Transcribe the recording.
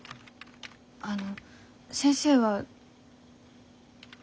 あの先生は。